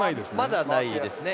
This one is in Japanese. まだないですね。